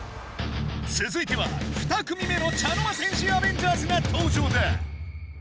続いては２組目の茶の間戦士アベンジャーズが登場だ。